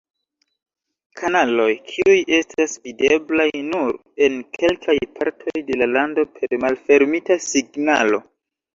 Kanaloj kiuj estas videblaj nur en kelkaj partoj de la lando per malfermita signalo.